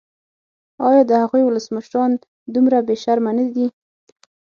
ایا د هغوی ولسمشران دومره بې شرمه نه دي.